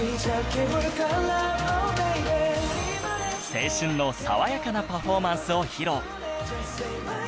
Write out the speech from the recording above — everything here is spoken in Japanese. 青春の爽やかなパフォーマンスを披露